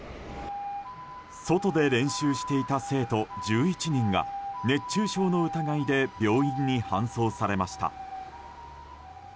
外で練習していた生徒１１人が熱中症の疑いで病院に搬送されました。